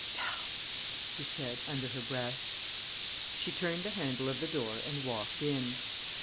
"Now!" she said, under her breath. She turned the handle of the door and walked in.